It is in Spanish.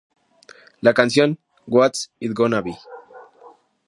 La canción "What's It Gonna Be?!